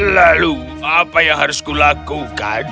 lalu apa yang harus kulakukan